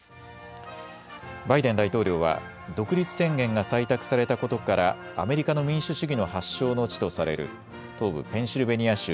バイデン大統領は独立宣言が採択されたことからアメリカの民主主義の発祥の地とされる東部ペンシルベニア州